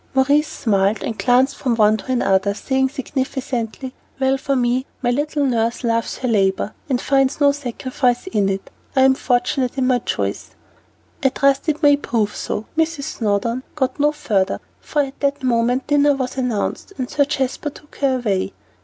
Maurice smiled, and glanced from one to the other, saying significantly, "Well for me that my little nurse loves her labor, and finds no sacrifice in it. I am fortunate in my choice." "I trust it may prove so " Mrs. Snowdon got no further, for at that moment dinner was announced, and Sir Jasper took her away.